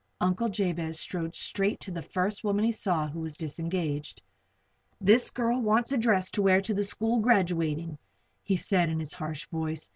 Uncle Jabez strode straight to the first woman he saw who was disengaged. "This girl wants a dress to wear to the school graduating," he said, in his harsh voice.